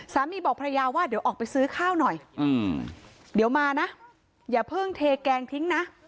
บอกภรรยาว่าเดี๋ยวออกไปซื้อข้าวหน่อยเดี๋ยวมานะอย่าเพิ่งเทแกงทิ้งนะ